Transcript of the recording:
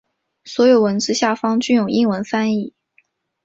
所有文字下方均有英文翻译。